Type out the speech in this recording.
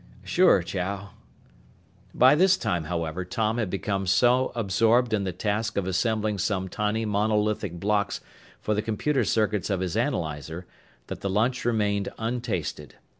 "Sure, Chow." By this time, however, Tom had become so absorbed in the task of assembling some tiny monolithic blocks for the computer circuits of his analyzer, that the lunch remained untasted.